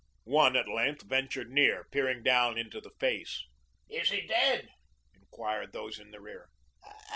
One at length ventured near, peering down into the face. "Is he dead?" inquired those in the rear.